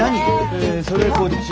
それこっち。